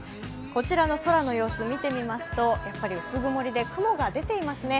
こちらの空の様子見てみますと薄曇りで雲が出ていますね。